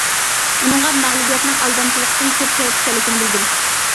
ئۇنىڭغا مەغلۇبىيەتنىڭ ئالدامچىلىقتىن كۆپ شەرەپ ئىكەنلىكىنى بىلدۈر.